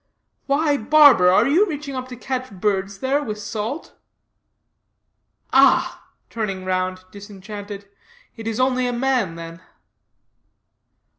"Why, barber, are you reaching up to catch birds there with salt?" "Ah!" turning round disenchanted, "it is only a man, then."